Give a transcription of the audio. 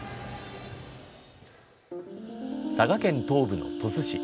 佐賀県東部の鳥栖市。